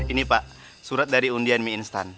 ini pak surat dari undian mie instan